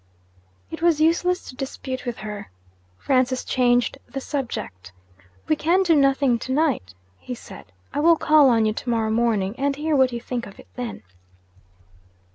It was useless to dispute with her. Francis changed the subject. 'We can do nothing to night,' he said. 'I will call on you to morrow morning, and hear what you think of it then.'